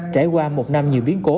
trải qua một năm nhiều biến cố